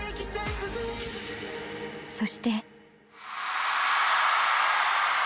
そして。